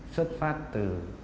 xuất phát từ